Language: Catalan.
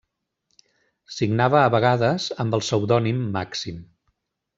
Signava a vegades amb el pseudònim Màxim.